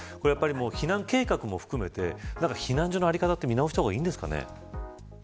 避難計画も含めて避難所の在り方は見直した方がいいんですかね。